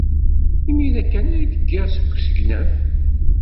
Imir-a kan ay d-kkiɣ seg usegnaf.